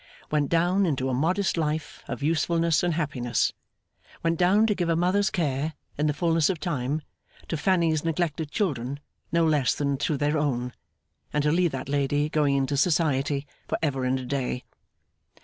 Went down into a modest life of usefulness and happiness. Went down to give a mother's care, in the fulness of time, to Fanny's neglected children no less than to their own, and to leave that lady going into Society for ever and a day.